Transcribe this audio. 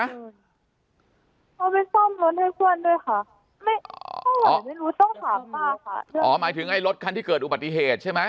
เอาไปซ่อมล้นให้ช่วนด้วยค่ะไม่รู้ต้องถามป้าค่ะอ๋อหมายถึงไอ้รถคันที่เกิดอุบัติเหตุใช่ไหม